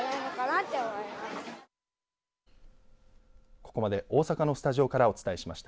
ここまで大阪のスタジオからお伝えしました。